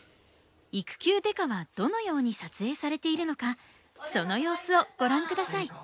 「育休刑事」はどのように撮影されているのかその様子をご覧下さい。